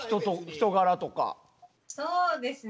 そうですね